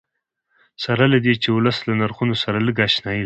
سره له دې چې ولس له نرخونو سره لږ اشنایي لري.